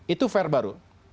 itu fair baru